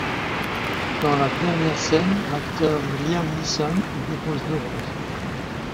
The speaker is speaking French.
Dans la dernière scène, l'acteur Liam Neeson y dépose deux roses.